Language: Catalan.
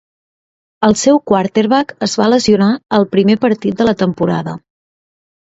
El seu quarterback es va lesionar al primer partit de la temporada.